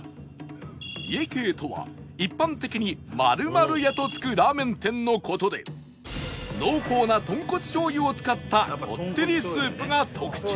家系とは一般的に○○家とつくラーメン店の事で濃厚な豚骨醤油を使ったこってりスープが特徴